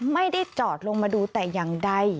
ไม่ได้จอดลงมาดูแต่อย่างใด